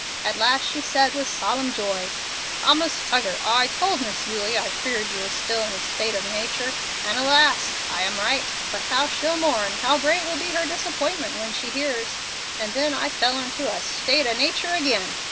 At last she said with solemn joy, 'Thomas Tuggar, I told Miss Eulie I feared you was still in a state of natur, and, alas! I am right; but how she'll mourn, how great will be her disappointment, when she hears'; and then I fell into a 'state of natur' agin.